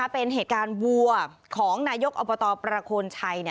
เป็นเหตุการณ์วัวของนาโยคอประโคลไชน์